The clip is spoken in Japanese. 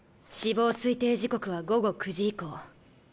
死亡推定時刻は午後９時以降。